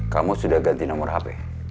kamu sudah ganti nomor hp